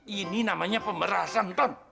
ini namanya pemberasan ton